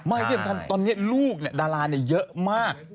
ไม่เตรียมกันตอนนี้ลูกเนี่ยดาราเนี่ยเยอะมาก